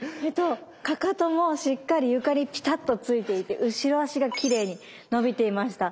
かかともしっかり床にぴたっとついていて後ろ足がきれいに伸びていました。